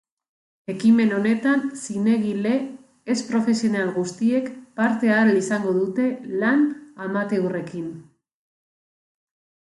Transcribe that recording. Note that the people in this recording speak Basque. Ekimen honetan zinemagile ez profesional guztiek parte hartu ahal izango dute lan amateurrekin.